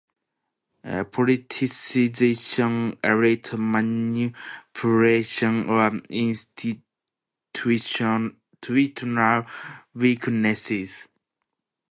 Politicization, Elite Manipulation or Instituitonal Weaknesses?